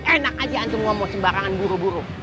enak aja untuk ngomong sembarangan buru buru